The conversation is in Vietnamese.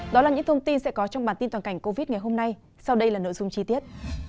đó là những thông tin sẽ có trong bản tin toàn cảnh covid ngày hôm nay sau đây là nội dung chi tiết